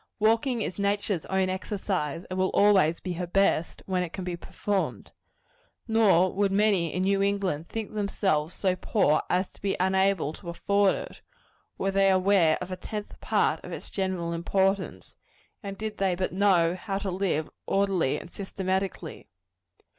Walking is nature's own exercise; and will always be her best, when it can be performed. Nor would many in New England think themselves so poor as to be unable to afford it, were they aware of a tenth part of its general importance, and did they but know how to live orderly and systematically.